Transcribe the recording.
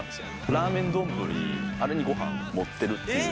ラーメン丼、あれにごはん盛ってるっていう。